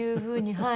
はい。